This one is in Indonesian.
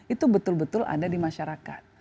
itu betul betul ada di masyarakat